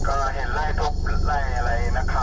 ก็เห็นไล่ทุบไล่อะไรนะครับ